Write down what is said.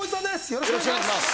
よろしくお願いします